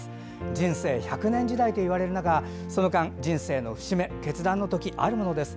人生１００年時代といわれる中その間、人生の節目、決断の時あるものです。